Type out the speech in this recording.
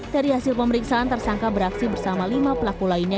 dari hasil pemeriksaan tersangka beraksi bersama lima pelaku lainnya